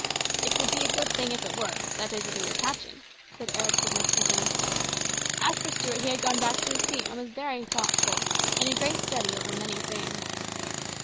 "It would be a good thing if it were ; that is, if it were catching," said Eric significantly. As for Stuart, he had gone back to his seat, and was very thoughtful, in a great study over many things.